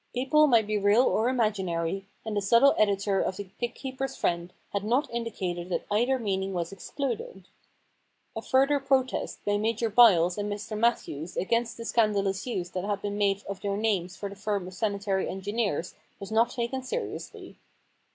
People might be real or imaginary, The Problem Club and the subtle editor of The Pig Keepers^ Friend had not indicated that either meaning was excluded. A further protest by Major Byles and Mr Matthews against the scandalous use that had been made of their names for the firm of sanitary engineers was not taken seriously.